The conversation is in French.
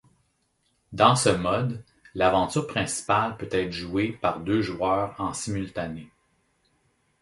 Dans ce mode, l'aventure principale peut être jouée par deux joueurs en simultané.